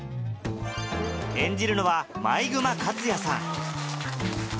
演じるのは毎熊克哉さん